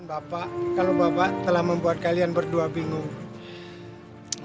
bapak kalau bapak telah membuat kalian berdua bingung